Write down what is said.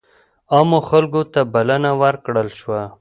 عامو خلکو ته بلنه ورکړل شوه.